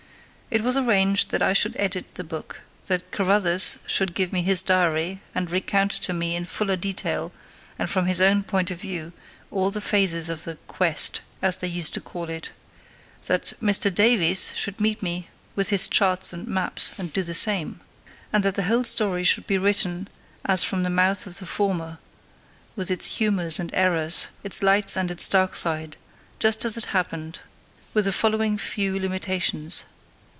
It was arranged that I should edit the book; that "Carruthers" should give me his diary and recount to me in fuller detail and from his own point of view all the phases of the "quest", as they used to call it; that Mr "Davies" should meet me with his charts and maps and do the same; and that the whole story should be written, as from the mouth of the former, with its humours and errors, its light and its dark side, just as it happened; with the following few limitations.